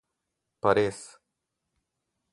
Pa res.